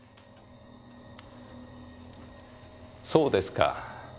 そうですか。